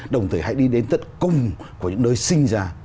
đồng thời hãy đi đến tất cùng của những nơi sinh ra